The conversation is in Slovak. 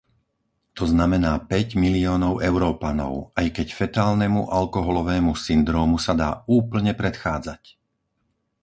To znamená päť miliónov Európanov, aj keď fetálnemu alkoholovému syndrómu sa dá úplne predchádzať.